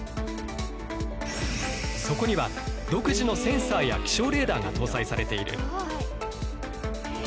そこには独自のセンサーや気象レーダーが搭載されている。